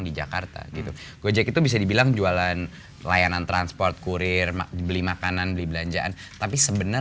di jakarta gitu gojek itu bisa dibilang jualan layanan transport kurir beli makanan beli belanjaan tapi sebenarnya